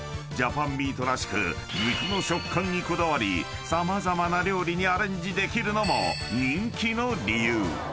［ジャパンミートらしく肉の食感にこだわり様々な料理にアレンジできるのも人気の理由］